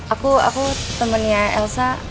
aku aku temennya elsa